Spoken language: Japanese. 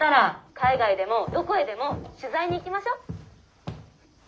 「海外でもどこへでも取材に行きましょう」。